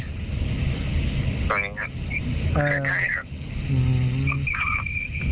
ตัวนี้ครับใกล้ครับ